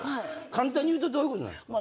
簡単に言うとどういうことなんすか？